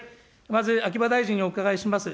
まず秋葉大臣にお伺いします。